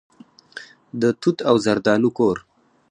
د توت او زردالو کور.